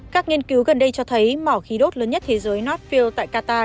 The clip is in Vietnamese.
các nghiên cứu gần đây cho thấy mỏ khí đốt lớn nhất thế giới northield tại qatar